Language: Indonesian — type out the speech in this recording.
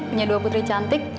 punya dua putri cantik